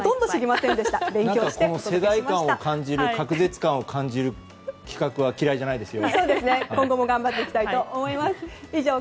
世代間を感じる隔絶感を感じる企画は嫌いじゃないですよ。